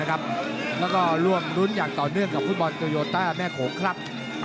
แล้วก็ร่วมรุ้นอย่างต่อเนื่องกับฟุตบอลโตโยต้าแม่โขงครับ